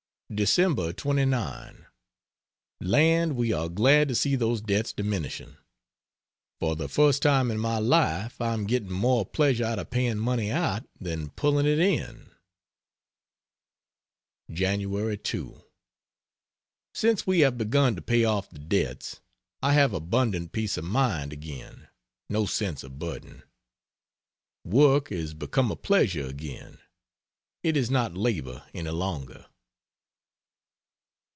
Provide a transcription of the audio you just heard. Dec. 29. Land we are glad to see those debts diminishing. For the first time in my life I am getting more pleasure out of paying money out than pulling it in. Jan. 2. Since we have begun to pay off the debts I have abundant peace of mind again no sense of burden. Work is become a pleasure again it is not labor any longer.